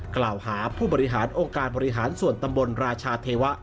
กล่าวหาผู้บริหารองค์การบริหารส่วนตำบลราชาเทวะ